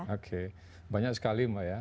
oke banyak sekali mbak ya